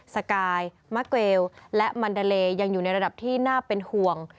สกายมะเกลและมันดาเลยังอยู่ในระดับที่น่าเป็นห่วง